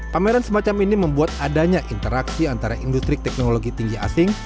pameran semacam ini membuat adanya interaksi antara industri teknologi tinggi asing